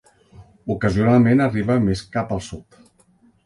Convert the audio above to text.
Ocasionalment arriba més cap al sud.